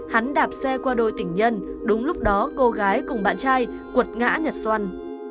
hắn đạp xe qua đôi tình nhân đúng lúc đó cô gái cùng bạn trai cuột ngã nhật xuân